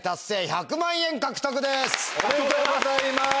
ありがとうございます！